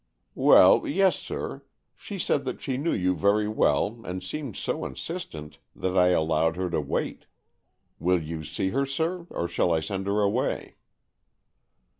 " Well, yes, sir. She said that she knew'' you very well, and seemed so insistent that I allowed her to wait. Will you see her, sir, or shall I send her away